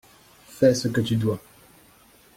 Fais ce que tu dois